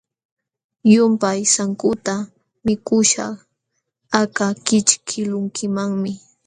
Llumpay sankuta mikuśhqa aka kićhkiqlunkimanmi.